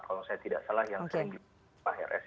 kalau saya tidak salah yang saya ingin paham